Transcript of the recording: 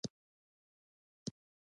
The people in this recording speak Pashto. یو انساني اقتصاد.